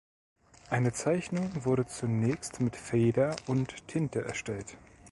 Eine Zeichnung wurde zunächst mit Feder und Tinte erstellt.